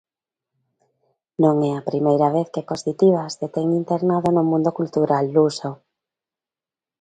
Non é a primeira vez que Positivas se ten internado no mundo cultural luso.